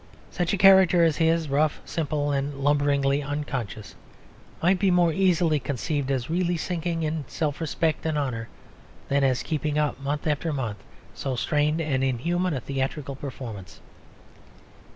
Such a character as his rough, simple and lumberingly unconscious might be more easily conceived as really sinking in self respect and honour than as keeping up, month after month, so strained and inhuman a theatrical performance.